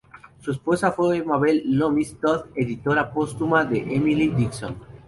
Su esposa fue Mabel Loomis Todd, editora póstuma de Emily Dickinson.